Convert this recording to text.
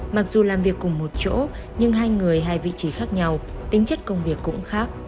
mặc dù làm việc cùng một chỗ nhưng hai người hai vị trí khác nhau tính chất công việc cũng khác